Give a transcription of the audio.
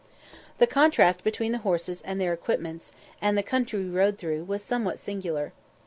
The contrast between the horses and their equipments, and the country we rode through, was somewhat singular.